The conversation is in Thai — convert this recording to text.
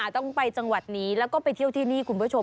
ต้องไปจังหวัดนี้แล้วก็ไปเที่ยวที่นี่คุณผู้ชม